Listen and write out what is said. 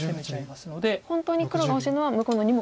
本当に黒が欲しいのは向こうの２目。